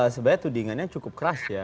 sebenarnya tudingannya cukup keras ya